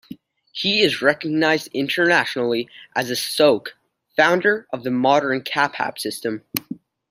He is recognized internationally as a Soke - founder of the modern Kapap system.